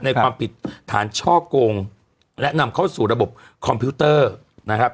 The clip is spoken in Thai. ความผิดฐานช่อกงและนำเข้าสู่ระบบคอมพิวเตอร์นะครับ